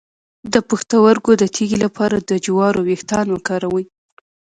د پښتورګو د تیږې لپاره د جوارو ویښتان وکاروئ